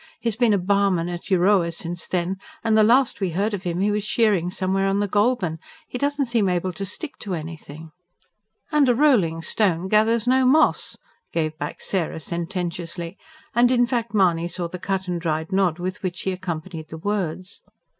He's been a barman at Euroa since then; and the last we heard of him, he was shearing somewhere on the Goulburn. He doesn't seem able to stick to anything." "And a rolling stone gathers no moss!" gave back Sarah sententiously and in fancy Mahony saw the cut and dried nod with which she accompanied the words.